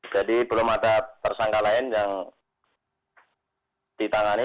jadi belum ada tersangka lain yang ditangani